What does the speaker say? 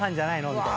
みたいな。